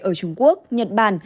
ở trung quốc nhật bản